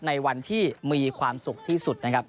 ในวันที่มีความสุขที่สุดนะครับ